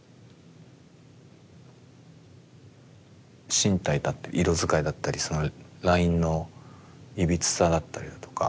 身体だったり色使いだったりそのラインのいびつさだったりだとか